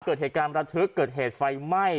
เกิดเหตุการณ์ระทึกเกิดเหตุไฟไหม้